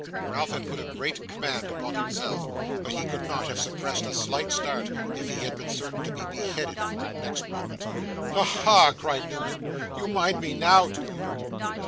Ralph had put a great command upon himself; but he could not have suppressed a slight start, if he had been certain to be beheaded for it next moment. 'Aha!' cried Newman, 'you mind me now, do you?